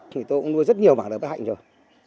thì tôi cũng nuôi rất nhiều mảng đời bất hạnh rồi